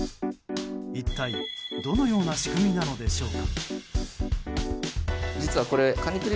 一体、どのような仕組みなのでしょうか。